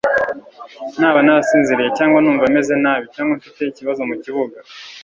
Naba narasinziriye cyangwa numva meze nabi cyangwa mfite ikibazo mu kibuga,